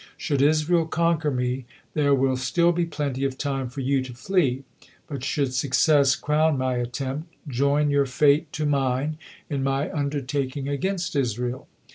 Should Israel conquer me, there will still be plenty of time for you to flee, but should success crown my attempt, join your fate to mine, in my undertaking against Israel."